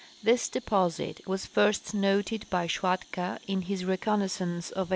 This deposit was first noted by Schwatka in his reconnaissance of 1883.